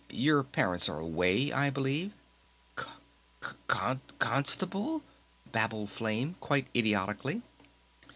Your parents are away, I believe?" "Con stable ... constable," babbled Flame quite idiotically.